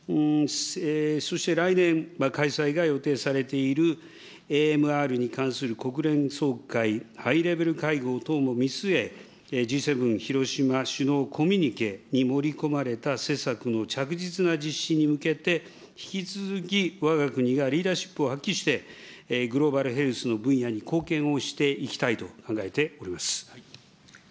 そして来年、開催が予定されているＡＭＲに関する国連総会ハイレベル会合等も見据え、Ｇ７広島首脳コミュニケに盛り込まれた施策の着実な実施に向けて、引き続きわが国がリーダーシップを発揮して、グローバルヘルスの分野に貢献をしていきたいと考えております。